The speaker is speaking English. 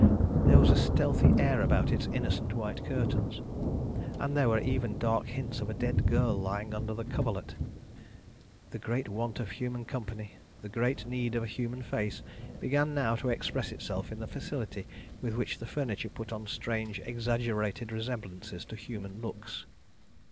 There was a stealthy air about its innocent white curtains, and there were even dark hints of a dead girl lying under the coverlet. The great want of human company, the great need of a human face, began now to express itself in the facility with which the furniture put on strange exaggerated resemblances to human looks.